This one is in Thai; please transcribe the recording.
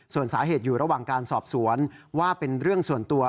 ส่วนสาเหตุอยู่ระหว่างการสอบสวนว่าเป็นเรื่องส่วนตัว